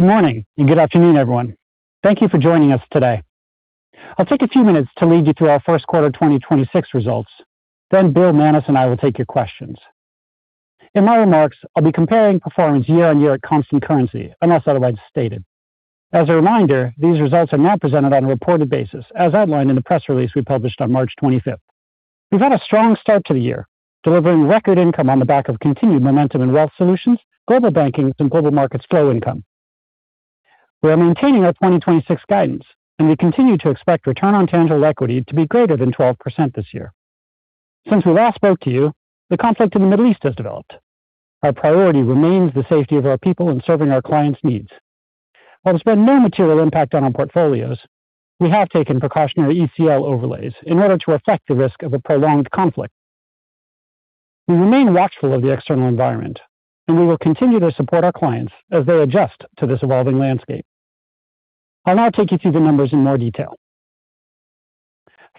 Good morning, and good afternoon, everyone. Thank Thank you for joining us today. I'll take a few minutes to lead you through our first quarter 2026 results, then Bill Winters and I will take your questions. In my remarks, I'll be comparing performance year-on-year at constant currency, unless otherwise stated. As a reminder, these results are now presented on a reported basis, as outlined in the press release we published on March 25th. We've had a strong start to the year, delivering record income on the back of continued momentum in Wealth Solutions, Global Banking, and Global Markets flow income. We are maintaining our 2026 guidance, and we continue to expect return on tangible equity to be greater than 12% this year. Since we last spoke to you, the conflict in the Middle East has developed. Our priority remains the safety of our people and serving our clients' needs. While there's been no material impact on our portfolios, we have taken precautionary ECL overlays in order to affect the risk of a prolonged conflict. We remain watchful of the external environment. We will continue to support our clients as they adjust to this evolving landscape. I'll now take you through the numbers in more detail.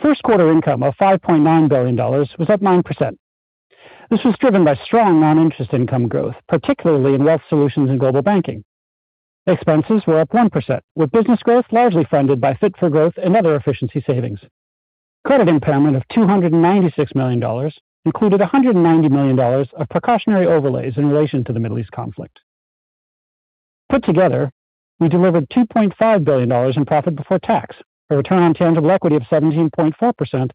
First quarter income of $5.9 billion was up 9%. This was driven by strong non-interest income growth, particularly in Wealth Solutions and Global Banking. Expenses were up 1%, with business growth largely funded by Fit for Growth and other efficiency savings. Credit impairment of $296 million included $190 million of precautionary overlays in relation to the Middle East conflict. Put together, we delivered $2.5 billion in profit before tax, a return on tangible equity of 17.4%,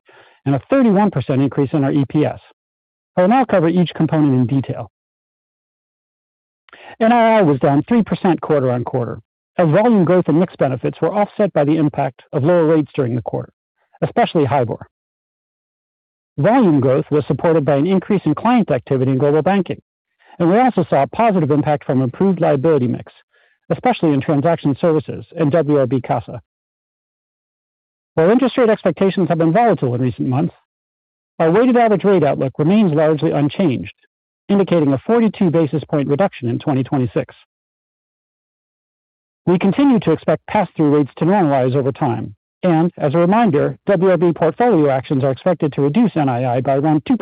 and a 31% increase in our EPS. I will now cover each component in detail. NII was down 3% quarter-on-quarter, as volume growth and mix benefits were offset by the impact of lower rates during the quarter, especially HIBOR. Volume growth was supported by an increase in client activity in Global Banking, and we also saw a positive impact from improved liability mix, especially in Transaction Banking and WRB CASA. While interest rate expectations have been volatile in recent months, our weighted average rate outlook remains largely unchanged, indicating a 42 basis point reduction in 2026. We continue to expect pass-through rates to normalize over time. As a reminder, WRB portfolio actions are expected to reduce NII by around 2%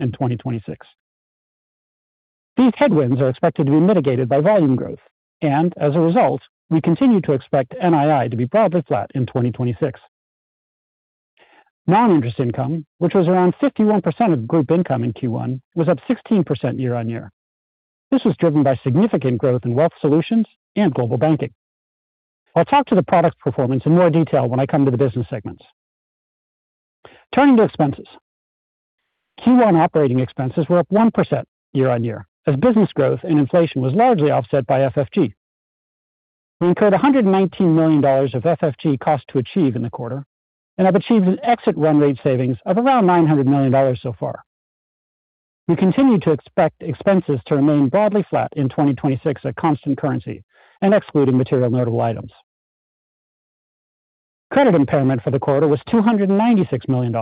in 2026. These headwinds are expected to be mitigated by volume growth. As a result, we continue to expect NII to be broadly flat in 2026. Non-interest income, which was around 51% of group income in Q1, was up 16% year-on-year. This was driven by significant growth in Wealth Solutions and Global Banking. I'll talk to the product performance in more detail when I come to the business segments. Turning to expenses. Q1 operating expenses were up 1% year-on-year as business growth and inflation was largely offset by FFG. We incurred $119 million of FFG cost to achieve in the quarter and have achieved an exit run rate savings of around $900 million so far. We continue to expect expenses to remain broadly flat in 2026 at constant currency and excluding material notable items. Credit impairment for the quarter was $296 million,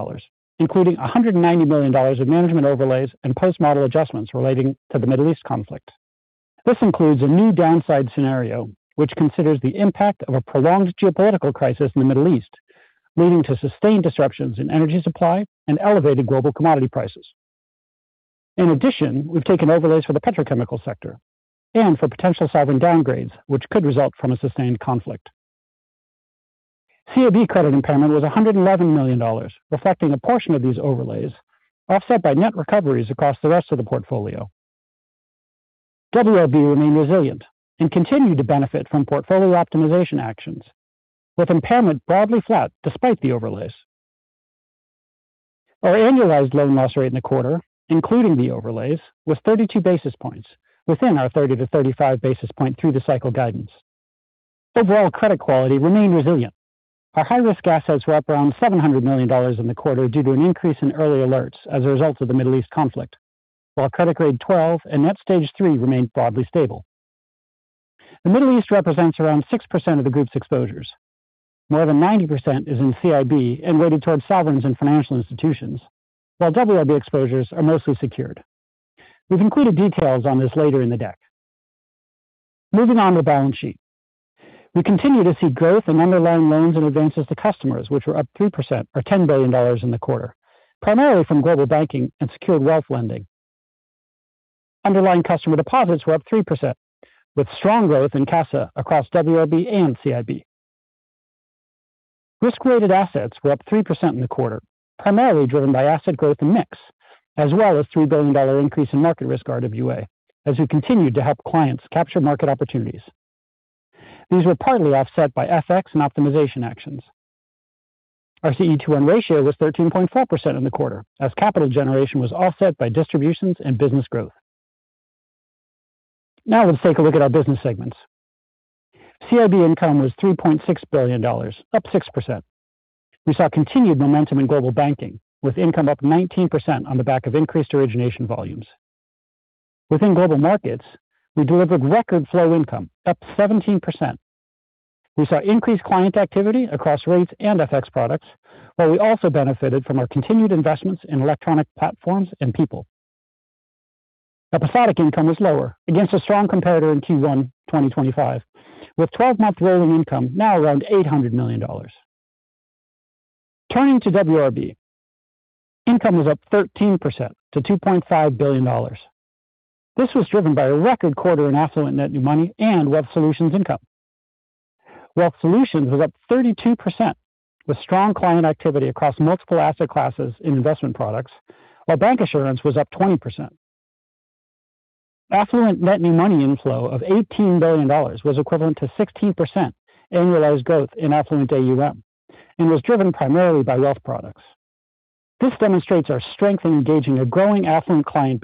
including $190 million of management overlays and post-model adjustments relating to the Middle East conflict. This includes a new downside scenario, which considers the impact of a prolonged geopolitical crisis in the Middle East, leading to sustained disruptions in energy supply and elevated global commodity prices. In addition, we've taken overlays for the petrochemical sector and for potential sovereign downgrades, which could result from a sustained conflict. CIB credit impairment was $111 million, reflecting a portion of these overlays, offset by net recoveries across the rest of the portfolio. WRB remained resilient and continued to benefit from portfolio optimization actions, with impairment broadly flat despite the overlays. Our annualized loan loss rate in the quarter, including the overlays, was 32 basis points, within our 30 to 35 basis point through the cycle guidance. Overall credit quality remained resilient. Our high-risk assets were up around $700 million in the quarter due to an increase in early alerts as a result of the Middle East conflict, while credit grade 12 and net stage 3 remained broadly stable. The Middle East represents around 6% of the group's exposures. More than 90% is in CIB and weighted towards sovereigns and financial institutions, while WRB exposures are mostly secured. We've included details on this later in the deck. Moving on to balance sheet. We continue to see growth in underlying loans and advances to customers, which were up 3% or $10 billion in the quarter, primarily from Global Banking and secured wealth lending. Underlying customer deposits were up 3%, with strong growth in CASA across WRB and CIB. Risk-weighted assets were up 3% in the quarter, primarily driven by asset growth and mix, as well as $3 billion increase in market risk RWA, as we continued to help clients capture market opportunities. These were partly offset by FX and optimization actions. Our CET1 ratio was 13.4% in the quarter, as capital generation was offset by distributions and business growth. Now let's take a look at our business segments. CIB income was $3.6 billion, up 6%. We saw continued momentum in Global Banking, with income up 19% on the back of increased origination volumes. Within Global Markets, we delivered record flow income, up 17%. We saw increased client activity across rates and FX products, while we also benefited from our continued investments in electronic platforms and people. Episodic income was lower against a strong comparator in Q1 2025, with 12-month rolling income now around $800 million. Turning to WRB. Income was up 13% to $2.5 billion. This was driven by a record quarter in affluent net new money and Wealth Solutions income. Wealth Solutions was up 32%, with strong client activity across multiple asset classes in investment products, while bancassurance was up 20%. Affluent net new money inflow of $18 billion was equivalent to 16% annualized growth in affluent AUM, and was driven primarily by wealth products. This demonstrates our strength in engaging a growing affluent client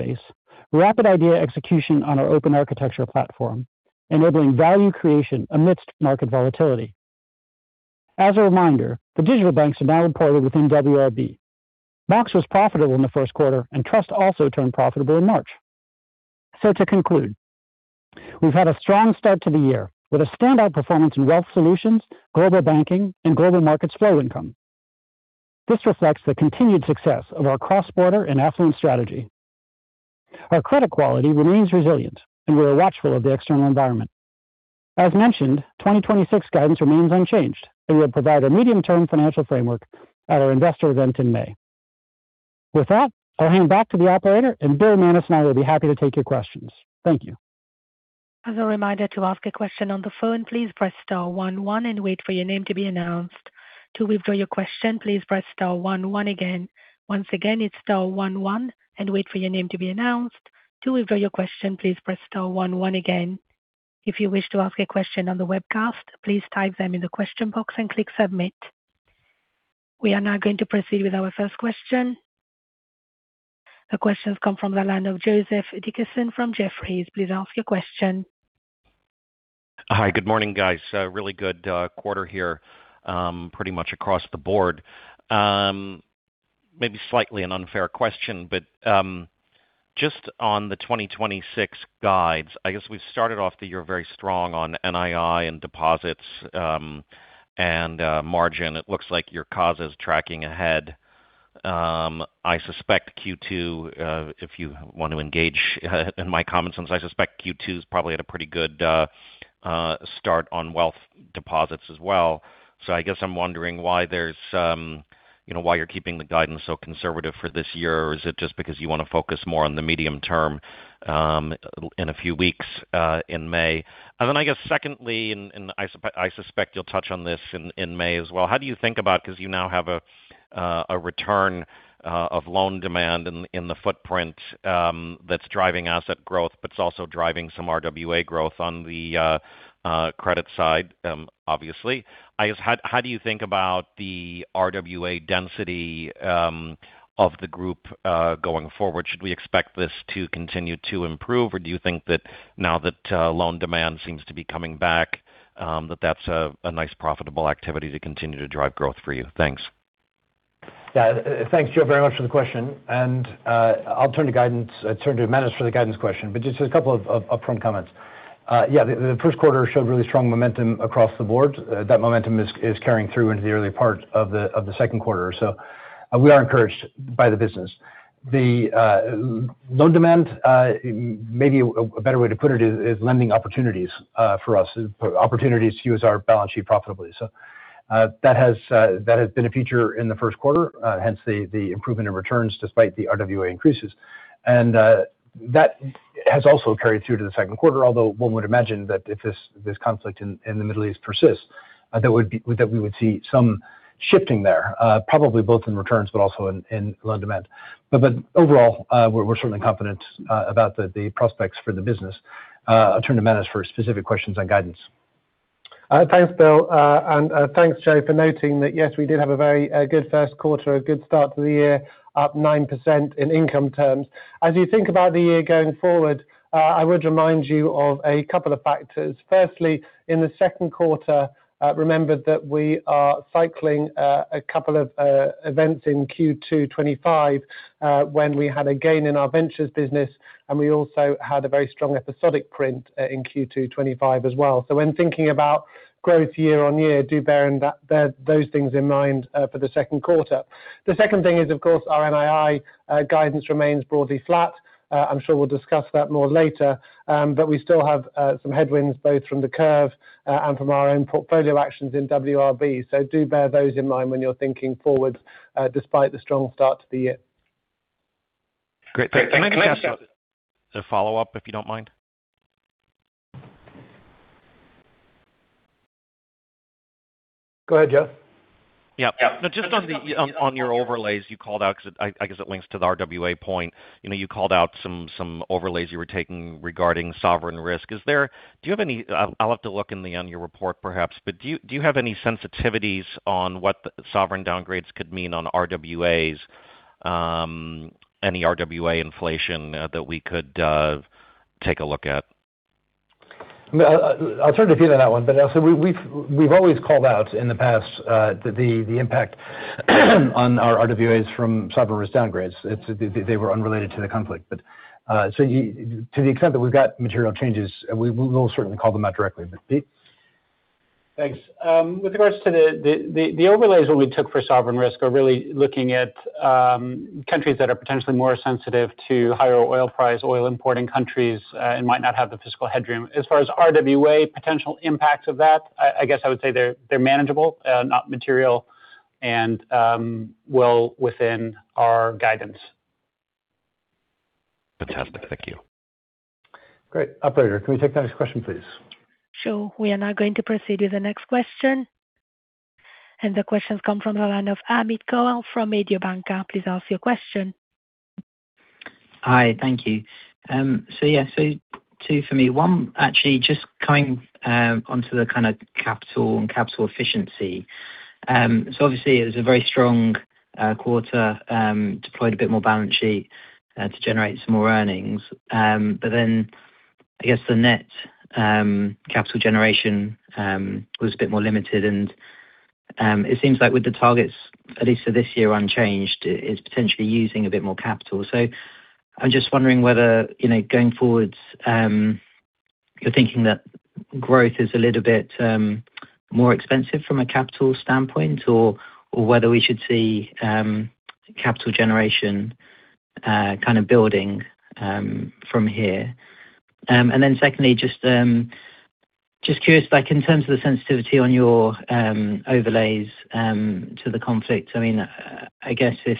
base, rapid idea execution on our open architecture platform, enabling value creation amidst market volatility. As a reminder, the digital banks are now reported within WRB. Mox was profitable in the first quarter, and Trust also turned profitable in March. To conclude, we've had a strong start to the year with a standout performance in Wealth Solutions, Global Banking, and Global Markets flow income. This reflects the continued success of our cross-border and affluent strategy. Our credit quality remains resilient, and we are watchful of the external environment. As mentioned, 2026 guidance remains unchanged, and we'll provide a medium-term financial framework at our investor event in May. With that, I'll hand back to the operator, and Bill Winters and I will be happy to take your questions. Thank you. As a reminder to ask a question on the phone please press star one one and wait for your name to be announced. To withdraw your question please press star one one again. Once again it's star one one and wait your name to be announced, to withdraw your question please press star one one again. If you wish to ask your question on the webcast please type them in the question box and click submit. We are now going to proceed with our first question. The question's come from the line of Joseph Dickerson from Jefferies. Please ask your question. Hi. Good morning, guys. A really good quarter here, pretty much across the board. Maybe slightly an unfair question, just on the 2026 guides, I guess we've started off the year very strong on NII and deposits, and margin. It looks like your cost is tracking ahead. I suspect Q2, if you want to engage in my comments, since I suspect Q2 is probably at a pretty good start on wealth deposits as well. I guess I'm wondering why there's, you know, why you're keeping the guidance so conservative for this year, or is it just because you want to focus more on the medium term, in a few weeks, in May? I guess secondly, I suspect you'll touch on this in May as well. How do you think about because you now have a return of loan demand in the footprint, that's driving asset growth, but it's also driving some RWA growth on the credit side, obviously. I guess, how do you think about the RWA density of the group going forward? Should we expect this to continue to improve, or do you think that now that loan demand seems to be coming back, that that's a nice profitable activity to continue to drive growth for you? Thanks. Thanks, Joe, very much for the question. I'll turn to Manus for the guidance question. Just a couple of upfront comments. The first quarter showed really strong momentum across the board. That momentum is carrying through into the early part of the second quarter. We are encouraged by the business. Loan demand, maybe a better way to put it is lending opportunities for us. Opportunities to use our balance sheet profitably. That has been a feature in the first quarter, hence the improvement in returns despite the RWA increases. That has also carried through to the second quarter, although one would imagine that if this conflict in the Middle East persists, that we would see some shifting there, probably both in returns but also in loan demand. Overall, we're certainly confident about the prospects for the business. I'll turn to Manus for specific questions on guidance. Thanks, Bill. Thanks, Joe, for noting that, yes, we did have a very good first quarter, a good start to the year, up 9% in income terms. As you think about the year going forward, I would remind you of a couple of factors. Firstly, in the second quarter, remember that we are cycling a couple of events in Q2 2025, when we had a gain in our ventures business, and we also had a very strong episodic print in Q2 2025 as well. When thinking about growth year-on-year, do bear those things in mind for the second quarter. The second thing is, of course, our NII guidance remains broadly flat. I'm sure we'll discuss that more later. We still have some headwinds both from the curve and from our own portfolio actions in WRB. Do bear those in mind when you're thinking forward despite the strong start to the year. Great. Can I just. Can I just- A follow-up, if you don't mind. Go ahead, Joe. Yeah. No, just on your overlays you called out, 'cause I guess it links to the RWA point. You know, you called out some overlays you were taking regarding sovereign risk. I'll have to look in the annual report perhaps, do you have any sensitivities on what the sovereign downgrades could mean on RWAs, any RWA inflation that we could take a look at? I mean, I'll turn to Pete on that one. So we've always called out in the past the impact on our RWAs from sovereign risk downgrades. They were unrelated to the conflict. So to the extent that we've got material changes, we will certainly call them out directly. Pete. Thanks. With regards to the overlays that we took for sovereign risk are really looking at countries that are potentially more sensitive to higher oil price, oil importing countries, and might not have the fiscal headroom. As far as RWA potential impacts of that, I guess I would say they're manageable, not material, and well within our guidance. Fantastic. Thank you. Great. Operator, can we take the next question, please? Sure. We are now going to proceed with the next question. The question's come from the line of Amit Goel from Mediobanca. Please ask your question. Hi. Thank you. Yeah, two for me. One, actually just coming onto the kind of capital and capital efficiency. Obviously it was a very strong quarter, deployed a bit more balance sheet to generate some more earnings. I guess the net capital generation was a bit more limited. It seems like with the targets, at least for this year unchanged, it's potentially using a bit more capital. I'm just wondering whether, you know, going forward, you're thinking that growth is a little bit more expensive from a capital standpoint or whether we should see capital generation kind of building from here. Secondly, just curious, like in terms of the sensitivity on your overlays to the conflict, I mean, I guess if,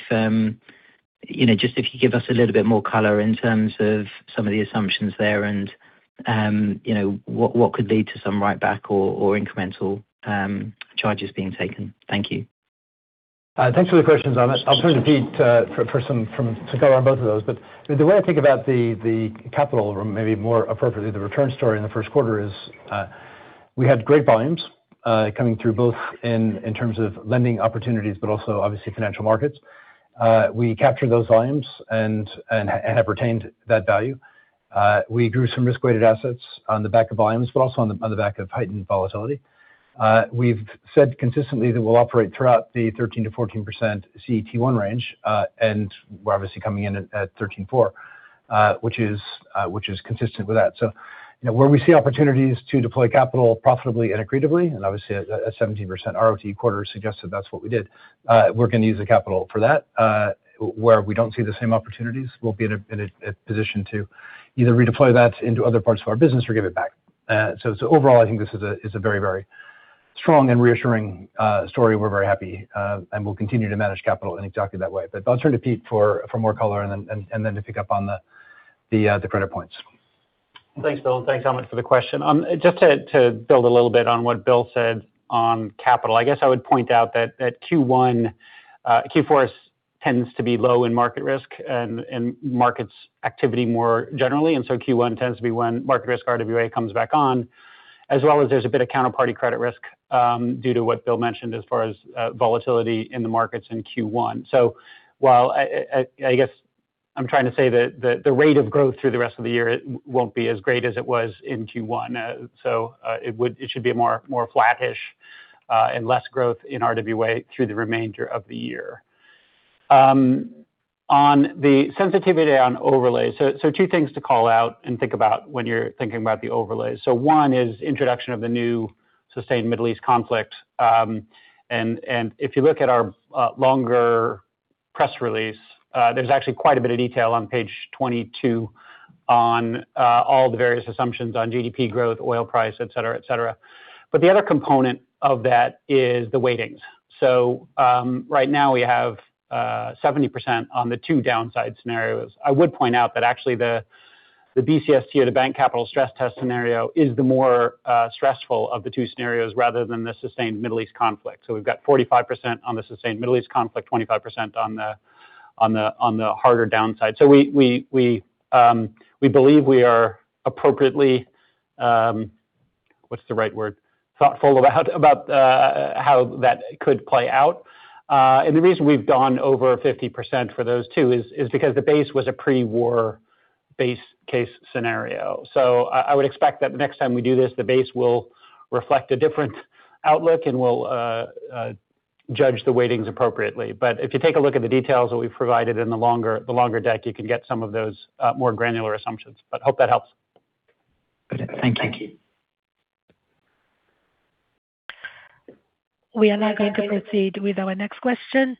you know, just if you could give us a little bit more color in terms of some of the assumptions there and, you know, what could lead to some write-back or incremental charges being taken. Thank you. Thanks for the questions, Amit Goel. I'll turn to Pete for some to go on both of those. The way I think about the capital, or maybe more appropriately, the return story in the first quarter is, we had great volumes coming through both in terms of lending opportunities, but also obviously financial markets. We captured those volumes and have retained that value. We grew some risk-weighted assets on the back of volumes, but also on the back of heightened volatility. We've said consistently that we'll operate throughout the 13%-14% CET1 range, and we're obviously coming in at 13.4%, which is consistent with that. you know, where we see opportunities to deploy capital profitably and accretively, obviously a 17% ROTE quarter suggested that's what we did. We're gonna use the capital for that. Where we don't see the same opportunities, we'll be in a position to either redeploy that into other parts of our business or give it back. Overall, I think this is a very strong and reassuring story. We're very happy. We'll continue to manage capital in exactly that way. I'll turn to Pete for more color and then to pick up on the credit points. Thanks, Bill, and thanks, Amit, for the question. Just to build a little bit on what Bill said on capital. I guess I would point out that at Q1, Q4 tends to be low in market risk and markets activity more generally. Q1 tends to be when market risk RWA comes back on, as well as there's a bit of counterparty credit risk, due to what Bill mentioned as far as volatility in the markets in Q1. While I guess I'm trying to say that the rate of growth through the rest of the year won't be as great as it was in Q1. It should be more flattish and less growth in RWA through the remainder of the year. On the sensitivity on overlay. Two things to call out and think about when you're thinking about the overlay. One is introduction of the new Sustained Middle East Conflict. And if you look at our longer press release, there's actually quite a bit of detail on page 22 on all the various assumptions on GDP growth, oil price, et cetera, et cetera. The other component of that is the weightings. Right now we have 70% on the two downside scenarios. I would point out that actually the BCST or the Bank Capital Stress Test scenario is the more stressful of the two scenarios rather than the Sustained Middle East Conflict. We've got 45% on the Sustained Middle East Conflict, 25% on the harder downside. We believe we are appropriately thoughtful about how that could play out. The reason we've gone over 50% for those two is because the base was a pre-war base case scenario. I would expect that the next time we do this, the base will reflect a different outlook, and we'll judge the weightings appropriately. If you take a look at the details that we've provided in the longer deck, you can get some of those more granular assumptions. Hope that helps. Thank you. We are now going to proceed with our next question.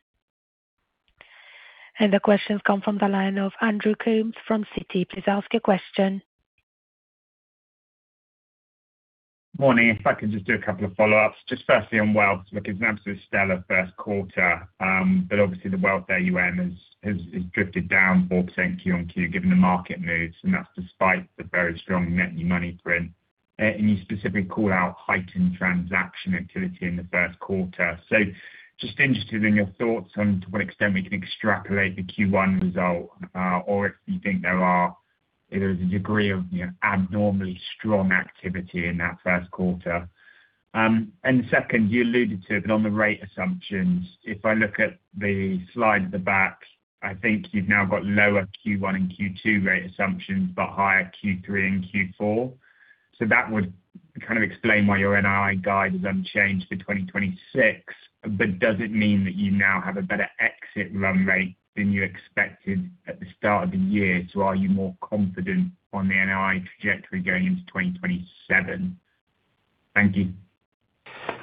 The question's come from the line of Andrew Coombs from Citi. Please ask your question. Morning. If I could just do a couple of follow-ups. Just firstly on wealth. Look, it's an absolute stellar first quarter. Obviously the wealth AUM has drifted down 4% Q on Q given the market moves, and that's despite the very strong net new money print. You specifically called out heightened transaction activity in the first quarter. Just interested in your thoughts on to what extent we can extrapolate the Q1 result, or if you think there are either a degree of, you know, abnormally strong activity in that first quarter. Second, you alluded to it on the rate assumptions. If I look at the slide at the back, I think you've now got lower Q1 and Q2 rate assumptions, but higher Q3 and Q4. That would kind of explain why your NII guide is unchanged for 2026. Does it mean that you now have a better exit run rate than you expected at the start of the year? Are you more confident on the NII trajectory going into 2027? Thank you.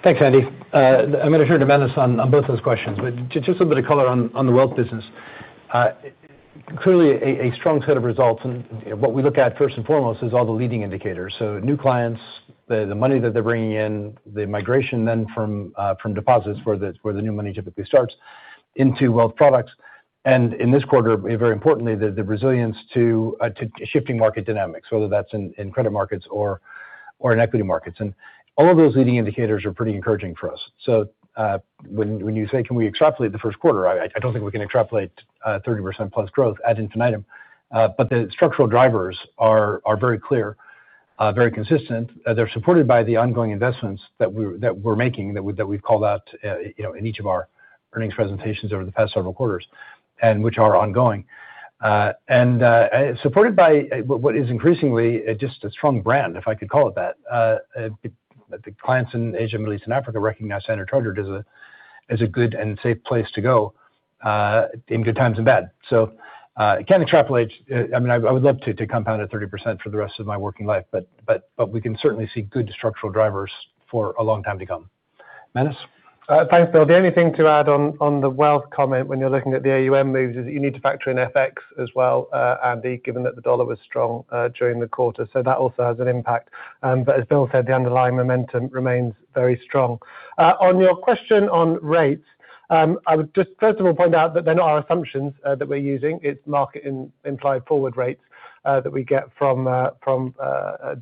Thanks, Andy. I'm going to turn to Manus on both those questions. Just a bit of color on the Wealth Solutions. Clearly a strong set of results. What we look at first and foremost is all the leading indicators. New clients, the money that they're bringing in. The migration from deposits where the new money typically starts into Wealth Solutions products. In this quarter, very importantly, the resilience to shifting market dynamics, whether that's in credit markets or in equity markets. All of those leading indicators are pretty encouraging for us. When you say, can we extrapolate the first quarter? I don't think we can extrapolate 30%+ growth ad infinitum. The structural drivers are very clear, very consistent. They're supported by the ongoing investments that we're making, that we've called out, you know, in each of our earnings presentations over the past several quarters, and which are ongoing. Supported by what is increasingly just a strong brand, if I could call it that. The clients in Asia, Middle East, and Africa recognize Standard Chartered as a good and safe place to go in good times and bad. Can extrapolate. I mean, I would love to compound at 30% for the rest of my working life, but we can certainly see good structural drivers for a long time to come. Manus. Thanks, Bill. The only thing to add on the wealth comment when you're looking at the AUM moves is that you need to factor in FX as well, Andy, given that the dollar was strong during the quarter, so that also has an impact. As Bill said, the underlying momentum remains very strong. On your question on rates, I would just first of all point out that they're not our assumptions that we're using, it's market implied forward rates that we get from from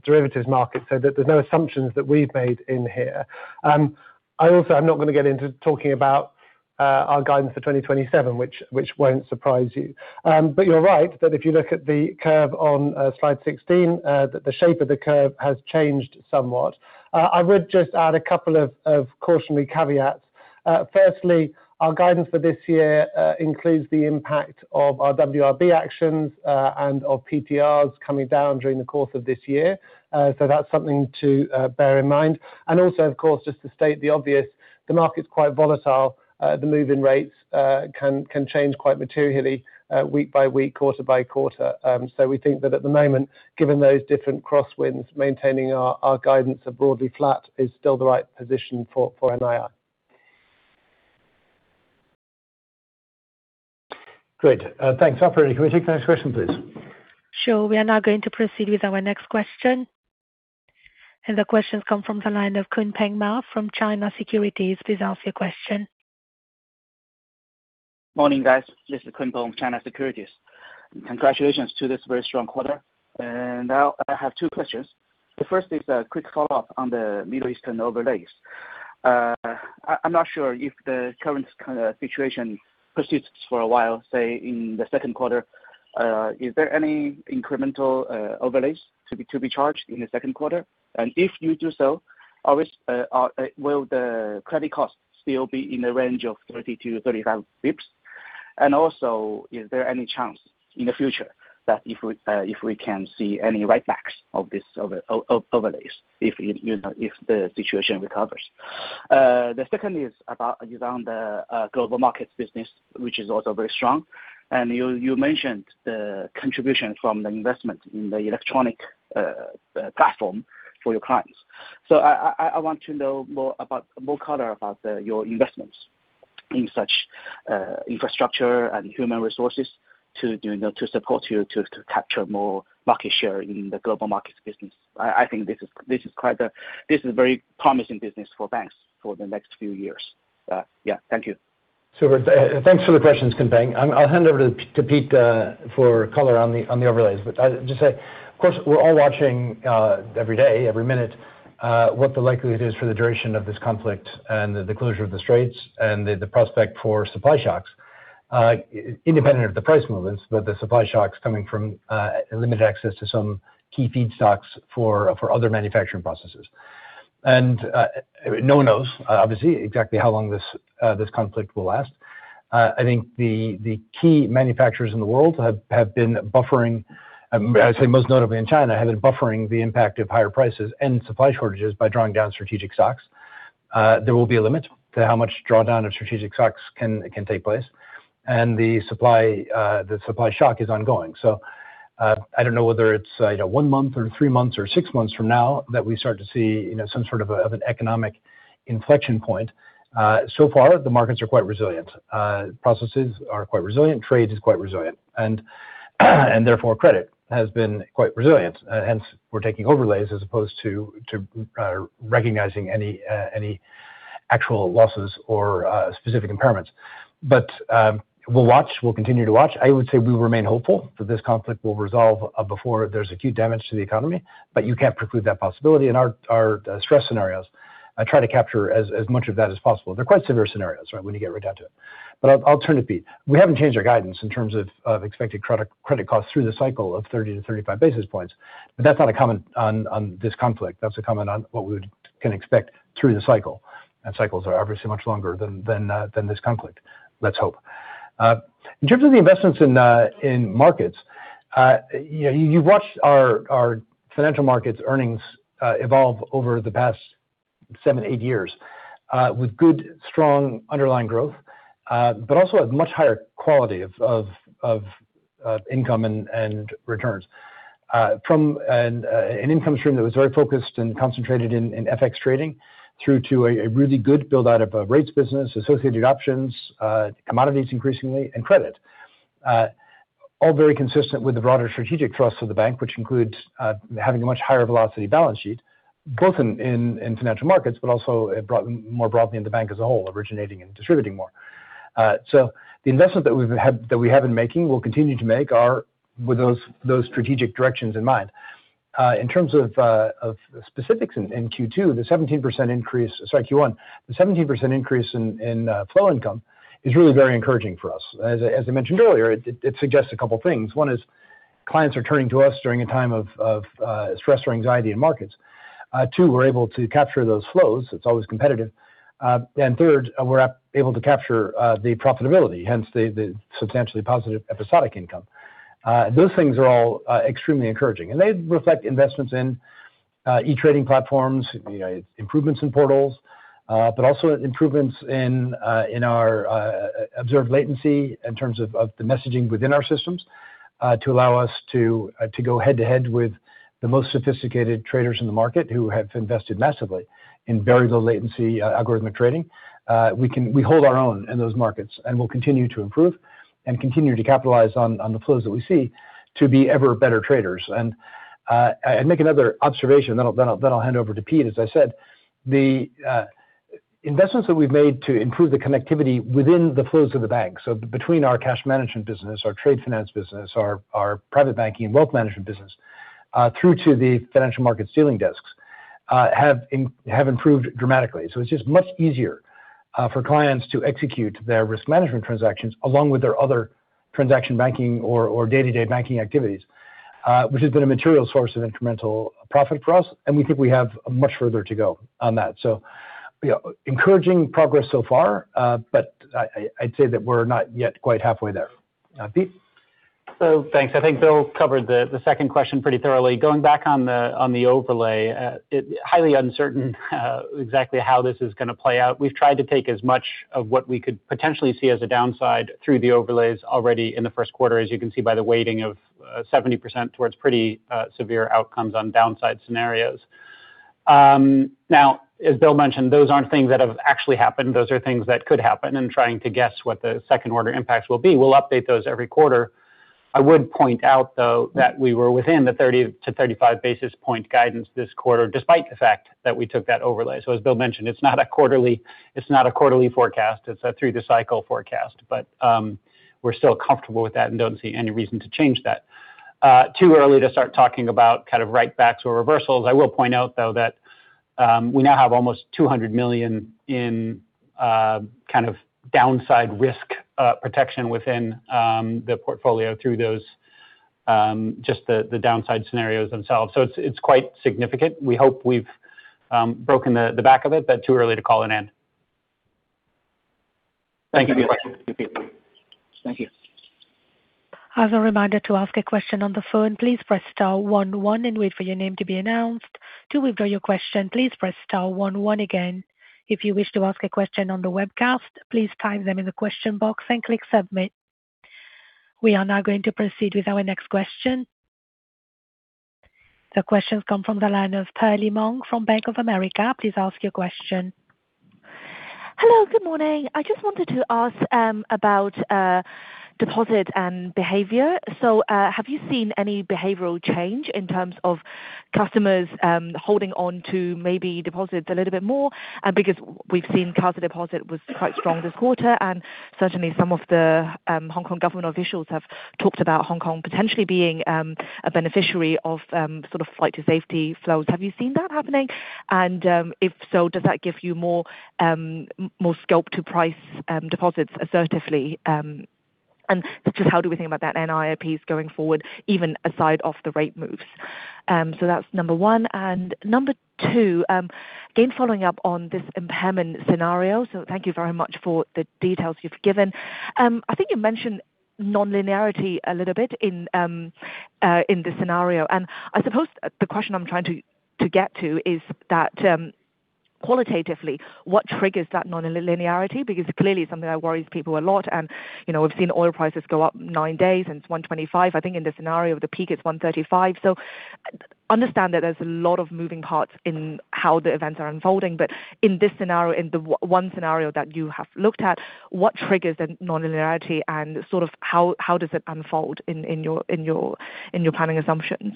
derivatives markets, so that there's no assumptions that we've made in here. I'm not gonna get into talking about our guidance for 2027, which won't surprise you. You're right, that if you look at the curve on slide 16, that the shape of the curve has changed somewhat. I would just add a couple of cautionary caveats. Firstly, our guidance for this year includes the impact of our WRB actions and of PTRs coming down during the course of this year. That's something to bear in mind. Also, of course, just to state the obvious, the market's quite volatile. The move in rates can change quite materially week by week, quarter by quarter. We think that at the moment, given those different crosswinds, maintaining our guidance of broadly flat is still the right position for NII. Great. Thanks. Operator, can we take the next question, please? Sure. We are now going to proceed with our next question. The question's come from the line of Kunpeng Ma from China Securities. Please ask your question. Morning, guys. This is Kunpeng from China Securities. Congratulations to this very strong quarter. Now I have two questions. The first is a quick follow-up on the Middle Eastern overlays. I'm not sure if the current kind of situation persists for a while, say, in the second quarter. Is there any incremental overlays to be charged in the second quarter? If you do so, will the credit cost still be in the range of 30 to 35 basis points? Also, is there any chance in the future that if we, if we can see any write backs of this overlays if, you know, if the situation recovers? The second is about around the Global Markets business, which is also very strong. You, you mentioned the contribution from the investment in the electronic platform for your clients. I want to know more color about your investments in such infrastructure and human resources to, you know, to support you to capture more market share in the Global Markets business. I think this is very promising business for banks for the next few years. Yeah. Thank you. Sure. Thanks for the questions, Kunpeng. I'll hand over to Pete for color on the overlays. I'll just say, of course, we're all watching every day, every minute, what the likelihood is for the duration of this conflict and the closure of the Straits and the prospect for supply shocks. Independent of the price movements, but the supply shocks coming from limited access to some key feedstocks for other manufacturing processes. No one knows, obviously, exactly how long this conflict will last. I think the key manufacturers in the world have been buffering, I'd say most notably in China, have been buffering the impact of higher prices and supply shortages by drawing down strategic stocks. There will be a limit to how much drawdown of strategic stocks can take place. The supply shock is ongoing. I don't know whether it's, you know, one month or three months or six months from now that we start to see, you know, some sort of an economic inflection point. So far, the markets are quite resilient. Processes are quite resilient. Trades is quite resilient. Therefore, credit has been quite resilient. Hence, we're taking overlays as opposed to recognizing any actual losses or specific impairments. We'll watch. We'll continue to watch. I would say we remain hopeful that this conflict will resolve before there's acute damage to the economy, but you can't preclude that possibility. In our stress scenarios, I try to capture as much of that as possible. They're quite severe scenarios, right, when you get right down to it. I'll turn to Pete. We haven't changed our guidance in terms of expected credit costs through the cycle of 30 to 35 basis points, that's not a comment on this conflict. That's a comment on what we can expect through the cycle. Cycles are obviously much longer than this conflict. Let's hope. In terms of the investments in markets, you've watched our financial markets earnings evolve over the past seven, eight years, with good, strong underlying growth, also a much higher quality of income and returns. From an income stream that was very focused and concentrated in FX trading through to a really good build out of a rates business, associated options, commodities increasingly, and credit. All very consistent with the broader strategic thrust of the bank, which includes having a much higher velocity balance sheet, both in financial markets, but also more broadly in the bank as a whole, originating and distributing more. The investment that we have been making, we will continue to make are with those strategic directions in mind. In terms of specifics in Q2, the 17% increase... Sorry, Q1. The 17% increase in flow income is really very encouraging for us. As I mentioned earlier, it suggests a couple things. One is clients are turning to us during a time of stress or anxiety in markets. Two, we're able to capture those flows. It's always competitive. Third, we're able to capture the profitability, hence the substantially positive episodic income. Those things are all extremely encouraging, and they reflect investments in e-trading platforms, you know, improvements in portals, but also improvements in in our observed latency in terms of the messaging within our systems to allow us to go head-to-head with the most sophisticated traders in the market who have invested massively in very low latency algorithmic trading. We hold our own in those markets, and we'll continue to improve and continue to capitalize on the flows that we see to be ever better traders. I'd make another observation, then I'll hand over to Pete. As I said, the investments that we've made to improve the connectivity within the flows of the bank, so between our cash management business, our trade finance business, our private banking and wealth management business, through to the financial market dealing desks, have improved dramatically. It's just much easier for clients to execute their risk management transactions along with their other Transaction Banking or day-to-day banking activities, which has been a material source of incremental profit for us, and we think we have much further to go on that. You know, encouraging progress so far, but I'd say that we're not yet quite halfway there. Pete. Thanks. I think Bill covered the second question pretty thoroughly. Going back on the overlay, highly uncertain exactly how this is gonna play out. We've tried to take as much of what we could potentially see as a downside through the overlays already in the first quarter, as you can see, by the weighting of 70% towards pretty severe outcomes on downside scenarios. Now as Bill mentioned, those aren't things that have actually happened. Those are things that could happen and trying to guess what the second-order impacts will be. We'll update those every quarter. I would point out, though, that we were within the 30 to 35 basis point guidance this quarter, despite the fact that we took that overlay. As Bill mentioned, it's not a quarterly, it's not a quarterly forecast, it's a through-the-cycle forecast. We're still comfortable with that and don't see any reason to change that. Too early to start talking about kind of write-backs or reversals. I will point out, though, that we now have almost $200 million in kind of downside risk protection within the portfolio through those, just the downside scenarios themselves. It's quite significant. We hope we've broken the back of it, but too early to call an end. Thank you. Thank you. As a reminder, to ask a question on the phone, please press star one one and wait for your name to be announced. To withdraw your question, please press star one one again. If you wish to ask a question on the webcast, please type them in the question box and click Submit. We are now going to proceed with our next question. The question's come from the line of Perlie Mong from Bank of America. Please ask your question. Hello, good morning. I just wanted to ask about deposit and behavior. Have you seen any behavioral change in terms of customers holding on to maybe deposits a little bit more? Because we've seen counter deposit was quite strong this quarter, and certainly some of the Hong Kong government officials have talked about Hong Kong potentially being a beneficiary of sort of flight to safety flows. Have you seen that happening? If so, does that give you more scope to price deposits assertively? Just how do we think about that NIMs going forward, even aside of the rate moves? That's number one. Number two, again, following up on this impairment scenario. Thank you very much for the details you've given. I think you mentioned nonlinearity a little bit in the scenario. I suppose the question I'm trying to get to is that qualitatively, what triggers that nonlinearity? Clearly it's something that worries people a lot. You know, we've seen oil prices go up nine days since $125. I think in the scenario, the peak is $135. Understand that there's a lot of moving parts in how the events are unfolding. In this scenario, in the o-one scenario that you have looked at, what triggers the nonlinearity and sort of how does it unfold in your planning assumptions?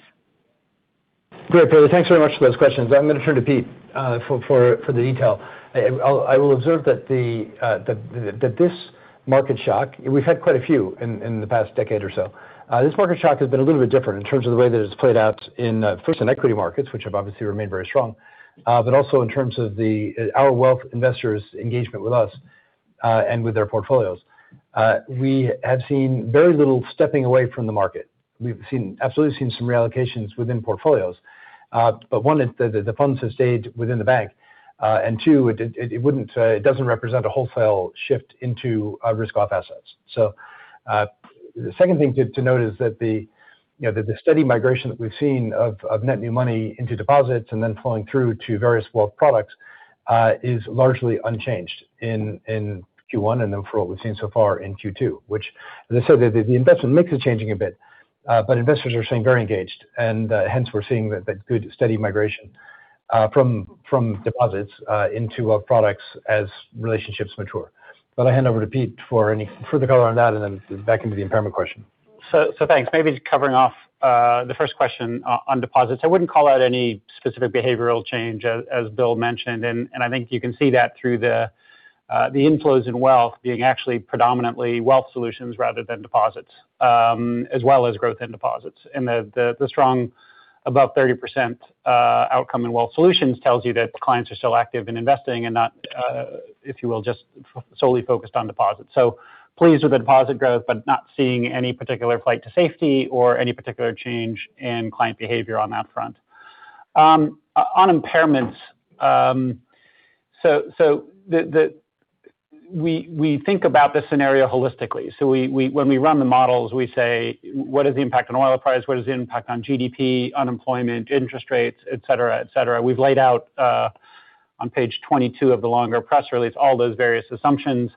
Great, Perlie. Thanks very much for those questions. I'm gonna turn to Pete for the detail. I will observe that the that this market shock, we've had quite a few in the past decade or so. This market shock has been a little bit different in terms of the way that it's played out in first in equity markets, which have obviously remained very strong, but also in terms of the our wealth investors' engagement with us and with their portfolios. We have seen very little stepping away from the market. We've absolutely seen some reallocations within portfolios. One is the funds have stayed within the bank. Two, it wouldn't it doesn't represent a wholesale shift into risk-off assets. The second thing to note is that the, you know, the steady migration that we've seen of net new money into deposits and then flowing through to various wealth products, is largely unchanged in Q1 and then for what we've seen so far in Q2. The investment mix is changing a bit, but investors are staying very engaged. Hence we're seeing the good steady migration from deposits into our products as relationships mature. I hand over to Pete for any further color on that and then back into the impairment question. Thanks. Maybe just covering off the first question on deposits. I wouldn't call out any specific behavioral change as Bill mentioned. I think you can see that through the inflows in Wealth Solutions rather than deposits, as well as growth in deposits. The strong above 30% outcome in Wealth Solutions tells you that clients are still active in investing and not, if you will, just solely focused on deposits. Pleased with the deposit growth, but not seeing any particular flight to safety or any particular change in client behavior on that front. On impairments, we think about this scenario holistically. When we run the models, we say, "What is the impact on oil price? What is the impact on GDP, unemployment, interest rates, et cetera, et cetera?'' We've laid out on page 22 of the longer press release all those various assumptions.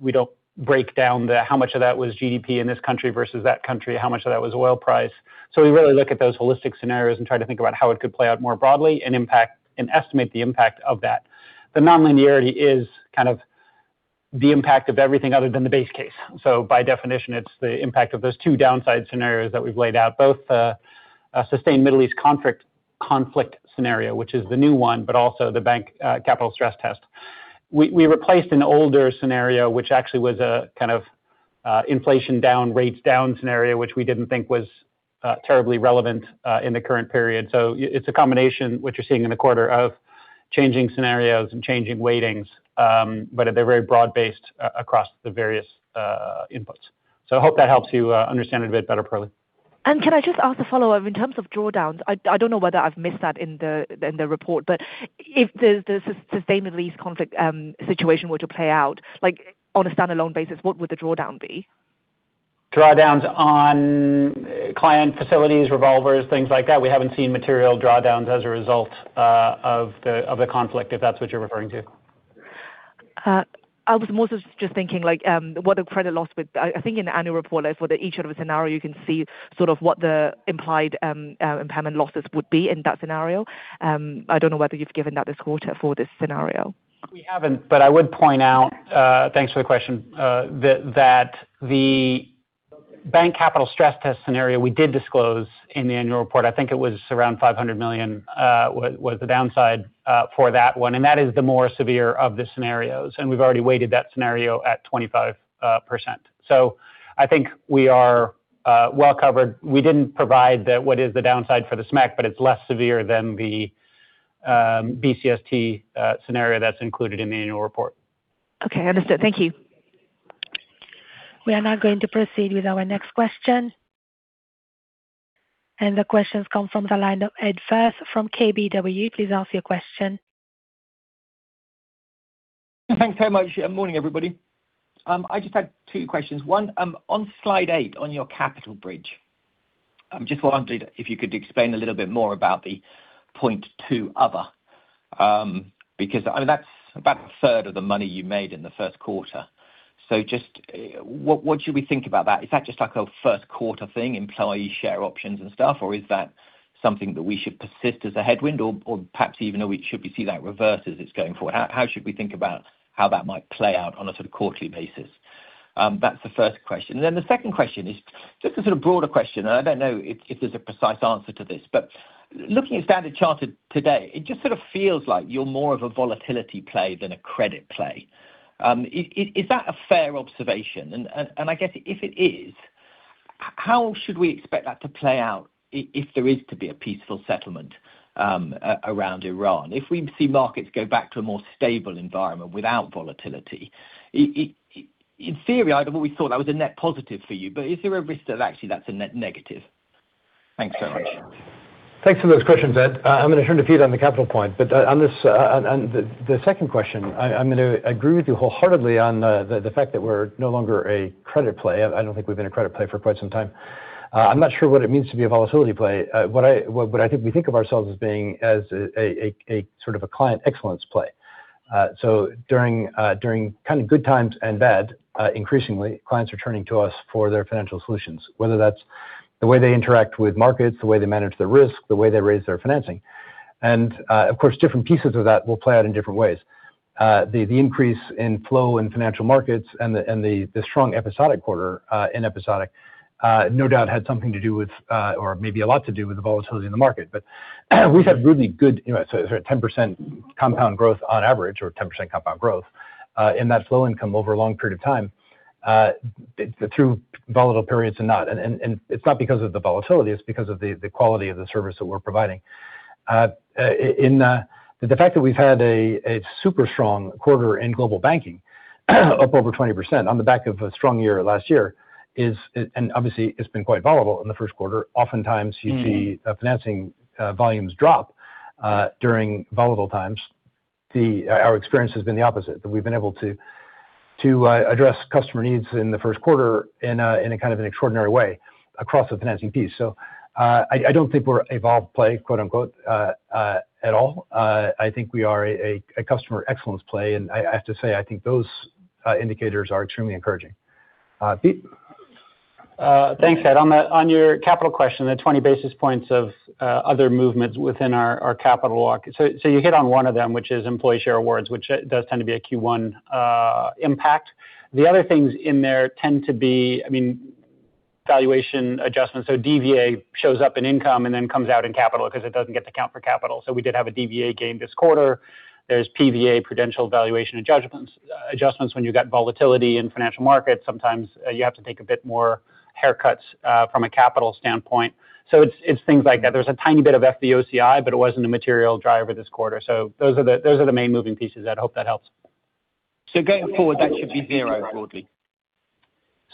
We don't break down the how much of that was GDP in this country versus that country, how much of that was oil price. We really look at those holistic scenarios and try to think about how it could play out more broadly and impact, and estimate the impact of that. The nonlinearity is kind of the impact of everything other than the base case. By definition, it's the impact of those two downside scenarios that we've laid out, both a sustained Middle East conflict scenario, which is the new one, but also the Bank Capital Stress Test. We replaced an older scenario, which actually was a kind of, inflation down, rates down scenario, which we didn't think was terribly relevant in the current period. It's a combination, what you're seeing in the quarter, of changing scenarios and changing weightings. They're very broad-based across the various inputs. I hope that helps you understand it a bit better, Perlie. Can I just ask a follow-up? In terms of drawdowns, I don't know whether I've missed that in the report, but if the sustained Middle East conflict situation were to play out, like on a standalone basis, what would the drawdown be? Drawdowns on client facilities, revolvers, things like that, we haven't seen material drawdowns as a result of the, of the conflict, if that's what you're referring to. I was more so just thinking like, I think in the annual report, like for each of the scenario, you can see sort of what the implied impairment losses would be in that scenario. I don't know whether you've given that this quarter for this scenario. We haven't, but I would point out, thanks for the question, that the Bank Capital Stress Test scenario we did disclose in the annual report. I think it was around $500 million was the downside for that one, and that is the more severe of the scenarios, and we've already weighted that scenario at 25%. I think we are well covered. We didn't provide the what is the downside for the SMEC, but it's less severe than the BCST scenario that's included in the annual report. Okay, understood. Thank you. We are now going to proceed with our next question. The question's come from the line of Ed Firth from KBW. Please ask your question. Thanks so much. Morning, everybody. I just had two questions. One, on slide eight, on your capital bridge, just wondered if you could explain a little bit more about the 0.2 other. Because, I mean, that's about a third of the money you made in the first quarter. Just, what should we think about that? Is that just like a first quarter thing, employee share options and stuff, or is that something that we should persist as a headwind or, perhaps even though we should be see that reverse as it's going forward? How should we think about how that might play out on a sort of quarterly basis? That's the first question. The second question is just a sort of broader question. I don't know if there's a precise answer to this. Looking at Standard Chartered today, it just sort of feels like you're more of a volatility play than a credit play. Is that a fair observation? I guess if it is, how should we expect that to play out if there is to be a peaceful settlement around Iran? If we see markets go back to a more stable environment without volatility, in theory, I'd have always thought that was a net positive for you, is there a risk that actually that's a net negative? Thanks so much. Thanks for those questions, Ed. I'm gonna turn to Pete on the capital point. On this, on the second question, I'm gonna agree with you wholeheartedly on the fact that we're no longer a credit play. I don't think we've been a credit play for quite some time. I'm not sure what it means to be a volatility play. What I think we think of ourselves as being as a sort of a client excellence play. During, during kind of good times and bad, increasingly, clients are turning to us for their financial solutions, whether that's the way they interact with markets, the way they manage their risk, the way they raise their financing. Of course, different pieces of that will play out in different ways. The increase in flow in financial markets and the strong episodic quarter in episodic no doubt had something to do with or maybe a lot to do with the volatility in the market. We've had really good, you know, so sort of 10% compound growth on average or 10% compound growth in that flow income over a long period of time through volatile periods and not. It's not because of the volatility, it's because of the quality of the service that we're providing. The fact that we've had a super strong quarter in Global Banking up over 20% on the back of a strong year last year. Obviously, it's been quite volatile in the first quarter. Oftentimes you see financing volumes drop during volatile times. Our experience has been the opposite, that we've been able to address customer needs in the first quarter in a kind of an extraordinary way across the financing piece. I don't think we're a vol play, quote-unquote, at all. I think we are a customer excellence play. I have to say, I think those indicators are extremely encouraging. Pete? Thanks, Ed Firth. On the, on your capital question, the 20 basis points of other movements within our capital lock. You hit on one of them, which is employee share awards, which does tend to be a Q1 impact. The other things in there tend to be, I mean, valuation adjustments. DVA shows up in income and then comes out in capital because it doesn't get to count for capital. We did have a DVA gain this quarter. There's PVA, Prudential valuation and judgments adjustments. When you've got volatility in financial markets, sometimes you have to take a bit more haircuts from a capital standpoint. It's things like that. There's a tiny bit of FVOCI, but it wasn't a material driver this quarter. Those are the main moving pieces. I hope that helps. Going forward, that should be zero broadly.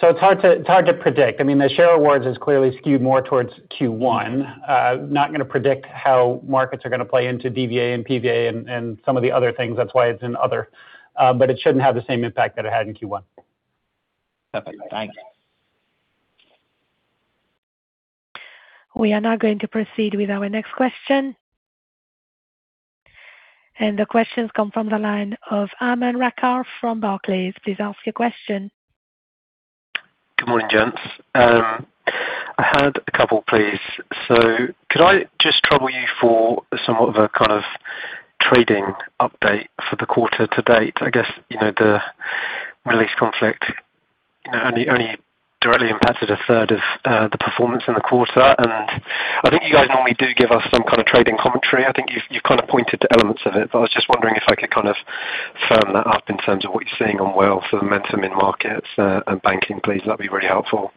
It's hard to, hard to predict. I mean, the share awards is clearly skewed more towards Q1. Not gonna predict how markets are gonna play into DVA and PVA and some of the other things. That's why it's in other. It shouldn't have the same impact that it had in Q1. Perfect. Thank you. We are now going to proceed with our next question. The question's come from the line of Aman Rakkar from Barclays. Please ask your question. Good morning, gents. I had a couple, please. Could I just trouble you for somewhat of a kind of trading update for the quarter to date? I guess, you know, the Middle East conflict, you know, only directly impacted a third of the performance in the quarter. I think you guys normally do give us some kind of trading commentary. I think you've kind of pointed to elements of it. I was just wondering if I could kind of firm that up in terms of what you're seeing on wealth momentum in markets and banking, please. That'd be really helpful.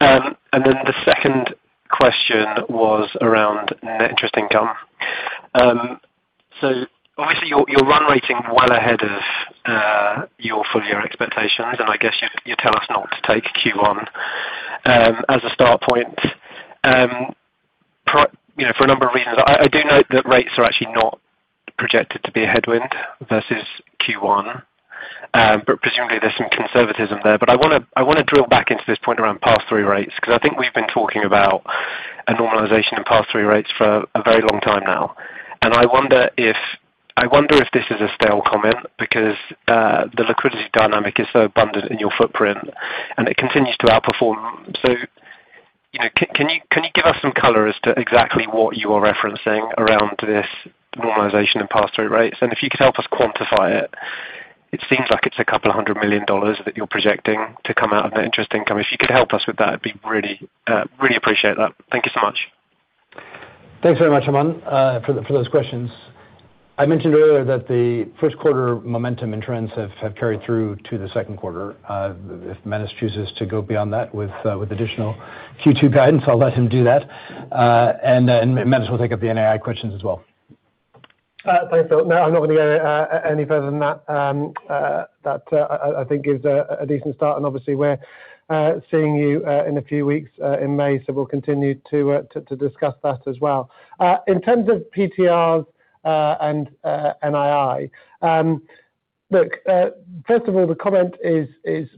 The second question was around net interest income. Obviously you're run rating well ahead of your full year expectations. I guess you tell us not to take Q1 as a start point. You know, for a number of reasons. I do note that rates are actually not projected to be a headwind versus Q1. Presumably there's some conservatism there. I wanna drill back into this point around pass-through rates, because I think we've been talking about a normalization in pass-through rates for a very long time now. I wonder if this is a stale comment because the liquidity dynamic is so abundant in your footprint, and it continues to outperform. You know, can you give us some color as to exactly what you are referencing around this normalization in pass-through rates? If you could help us quantify it. It seems like it's $200 million that you're projecting to come out of net interest income. If you could help us with that, it'd be really appreciate that. Thank you so much. Thanks very much, Aman Rakkar, for those questions. I mentioned earlier that the first quarter momentum and trends have carried through to the second quarter. If Bill Winters chooses to go beyond that with additional Q2 guidance, I'll let him do that. Manus will take up the NII questions as well. Thanks, [Pete]. No, I'm not gonna go any further than that. That I think gives a decent start, and obviously we're seeing you in a few weeks in May, so we'll continue to discuss that as well. In terms of PTRs and NII. First of all, the comment is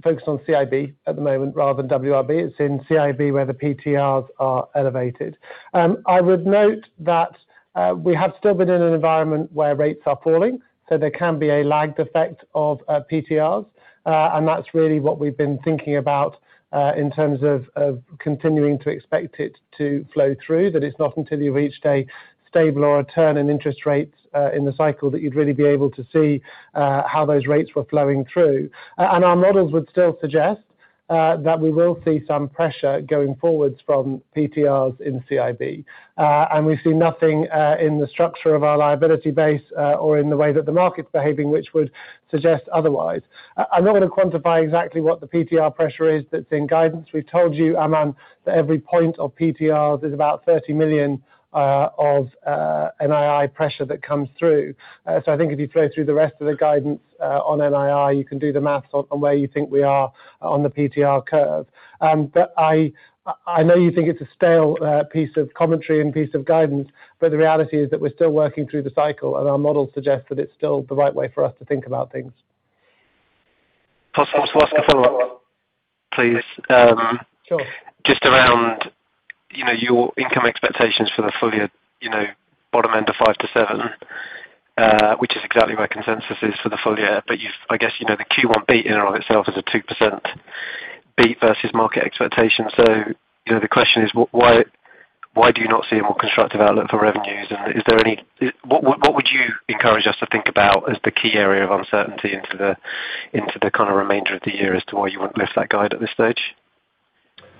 focused on CIB at the moment rather than WRB. It's in CIB where the PTRs are elevated. I would note that we have still been in an environment where rates are falling, so there can be a lagged effect of PTRs. That's really what we've been thinking about, in terms of continuing to expect it to flow through, that it's not until you've reached a stable or a turn in interest rates, in the cycle that you'd really be able to see, how those rates were flowing through. Our models would still suggest that we will see some pressure going forwards from PTRs in CIB. We see nothing, in the structure of our liability base, or in the way that the market's behaving, which would suggest otherwise. I'm not gonna quantify exactly what the PTR pressure is that's in guidance. We've told you, Aman, that every point of PTRs is about 30 million of NII pressure that comes through. I think if you flow through the rest of the guidance on NII, you can do the math on where you think we are on the PTR curve. I know you think it's a stale piece of commentary and piece of guidance, but the reality is that we're still working through the cycle, and our models suggest that it's still the right way for us to think about things. Possible to ask a follow-up, please? Sure. Just around, you know, your income expectations for the full year. You know, bottom end of five to seven, which is exactly where consensus is for the full year. You've I guess, you know, the Q1 beat in and of itself is a 2% beat versus market expectation. You know, the question is why do you not see a more constructive outlook for revenues? Is there any what would you encourage us to think about as the key area of uncertainty into the, into the kind of remainder of the year as to why you wouldn't lift that guide at this stage?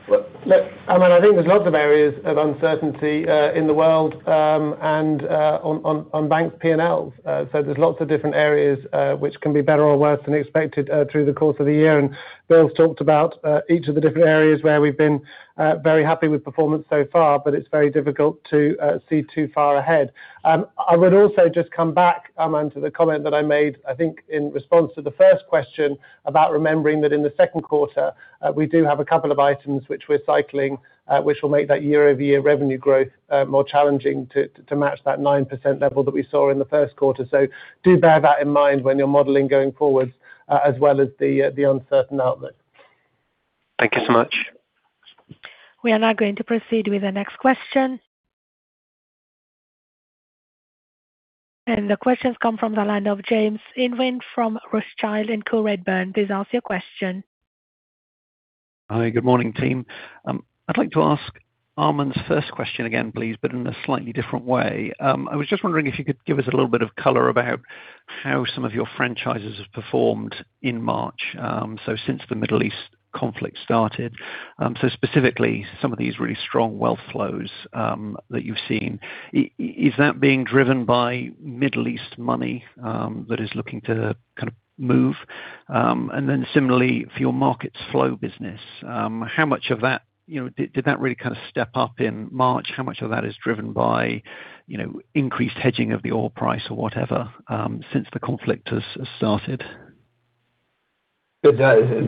Look, Aman, I think there's lots of areas of uncertainty in the world, and on bank P&Ls. There's lots of different areas which can be better or worse than expected through the course of the year. Bill's talked about each of the different areas where we've been very happy with performance so far, but it's very difficult to see too far ahead. I would also just come back, Aman, to the comment that I made, I think in response to the first question about remembering that in the second quarter, we do have a couple of items which we're cycling, which will make that year-over-year revenue growth more challenging to match that 9% level that we saw in the first quarter. Do bear that in mind when you're modeling going forward, as well as the uncertain outlook. Thank you so much. We are now going to proceed with the next question. The questions come from the line of James Invine from Rothschild & Co Redburn. Please ask your question. Hi, good morning, team. I'd like to ask Aman Rakkar's first question again, please, but in a slightly different way. I was just wondering if you could give us a little bit of color about how some of your franchises have performed in March, so since the Middle East conflict started. So specifically, some of these really strong wealth flows that you've seen. Is that being driven by Middle East money that is looking to kind of move? Similarly, for your markets flow business, how much of that, you know, did that really kind of step up in March? How much of that is driven by, you know, increased hedging of the oil price or whatever, since the conflict has started? Good.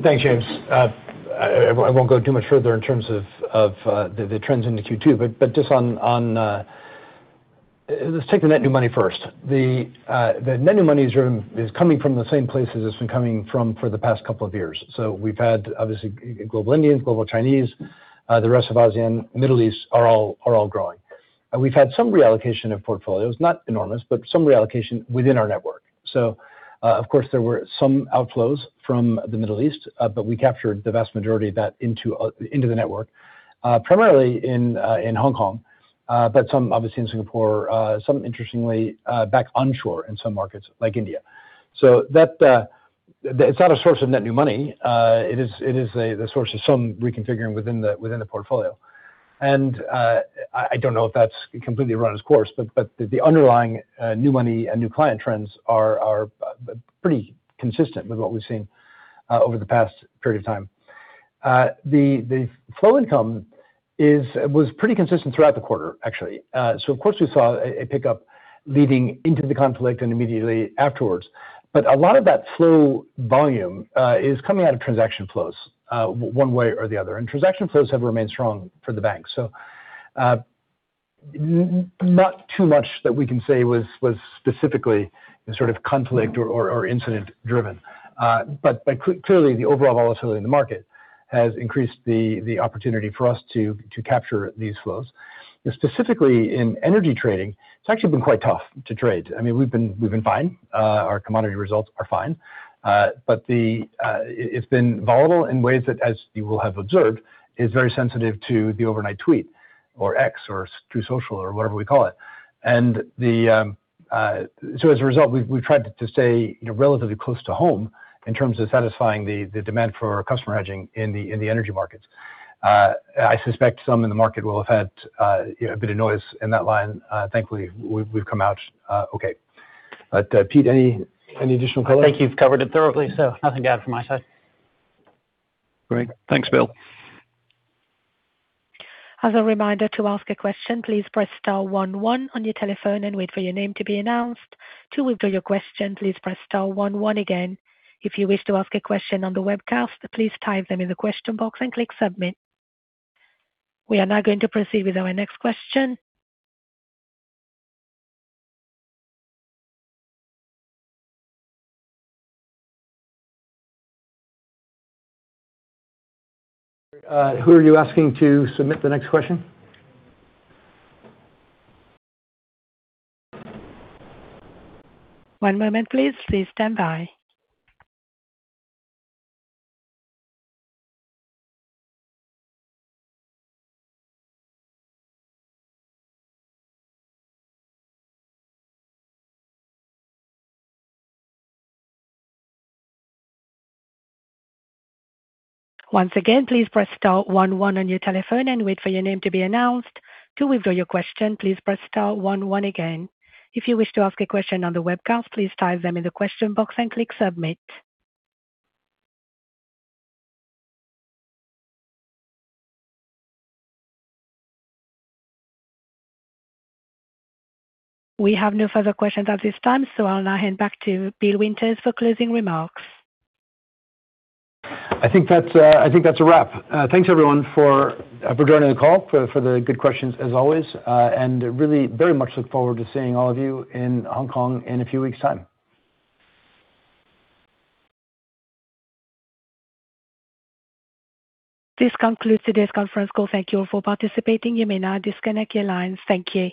Thanks, James. I won't go too much further in terms of the trends into Q2, but just on let's take the net new money first. The net new money is coming from the same place as it's been coming from for the past couple of years. We've had obviously global Indians, global Chinese, the rest of ASEAN, Middle East are all growing. We've had some reallocation of portfolios, not enormous, but some reallocation within our network. Of course, there were some outflows from the Middle East, but we captured the vast majority of that into the network, primarily in Hong Kong, but some obviously in Singapore, some interestingly, back onshore in some markets like India. That it's not a source of net new money. It is the source of some reconfiguring within the portfolio. I don't know if that's completely run its course, but the underlying new money and new client trends are pretty consistent with what we've seen over the past period of time. The flow income was pretty consistent throughout the quarter, actually. Of course, we saw a pickup leading into the conflict and immediately afterwards. A lot of that flow volume is coming out of transaction flows, one way or the other. Transaction flows have remained strong for the bank. Not too much that we can say was specifically a sort of conflict or incident-driven. Clearly, the overall volatility in the market has increased the opportunity for us to capture these flows. Specifically in energy trading, it's actually been quite tough to trade. I mean, we've been fine. Our commodity results are fine. It's been volatile in ways that as you will have observed, is very sensitive to the overnight tweet or X or Truth Social or whatever we call it. As a result, we've tried to stay, you know, relatively close to home in terms of satisfying the demand for customer hedging in the energy markets. I suspect some in the market will have had a bit of noise in that line. Thankfully, we've come out okay. Pete, any additional color? I think you've covered it thoroughly, so nothing to add from my side. Great. Thanks, Bill. As a reminder to ask a question, please press star one one on your telephone and wait for your name to be announced. To withdraw your question, please press star one one again. If you wish to ask a question on the webcast, please type them in the question box and click Submit. We are now going to proceed with our next question. Who are you asking to submit the next question? We have no further questions at this time. I'll now hand back to Bill Winters for closing remarks. I think that's a wrap. Thanks everyone for joining the call, for the good questions as always, really very much look forward to seeing all of you in Hong Kong in a few weeks' time. This concludes today's conference call. Thank you for participating. You may now disconnect your lines. Thank you.